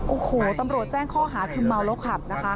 โอ้โหตำรวจแจ้งข้อหาคือเมาแล้วขับนะคะ